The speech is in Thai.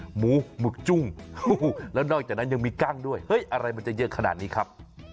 หมูหมึกจุ้งแล้วนอกจากนั้นยังมีกั้งด้วยเฮ้ยอะไรมันจะเยอะขนาดนี้ครับ